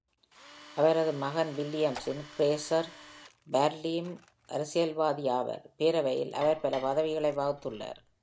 அவரது மகன் William Czar Bradley-உம் அரசியல்வாதி ஆவார், பேரவையில் அவர் பல பதவிகளை வகித்துள்ளார்.